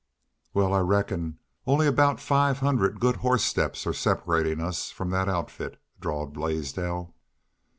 "Wal, I reckon only aboot five hundred good hoss steps are separatin' us from that outfit," drawled Blaisdell.